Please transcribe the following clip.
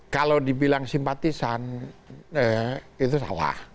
kalau dibilang simpatisan itu salah